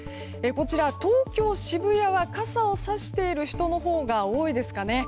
こちら東京・渋谷は傘をさしている人のほうが多いですかね。